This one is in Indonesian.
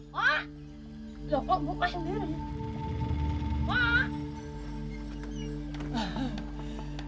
hai hai hai wah lo kok buka sendiri wah